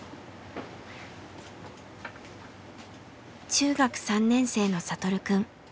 中学校３年生の聖くん。